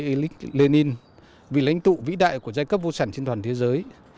vladimir ilyich lenin vị lãnh tụ vĩ đại của giai cấp vô sản trên toàn thế giới